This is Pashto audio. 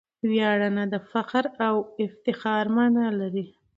ویاړنه دفخر او افتخار مانا لري.